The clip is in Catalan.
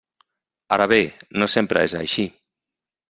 Ara bé, no sempre és així.